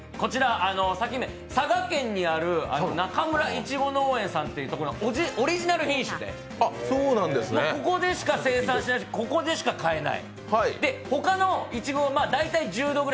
こちら、佐賀県にある中村いちご農園さんというところのオリジナル品種でここでしか生産していないしここでしか買えない。